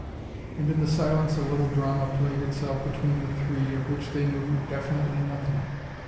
And in the silence a little drama played itself between the three, of which they knew definitely nothing.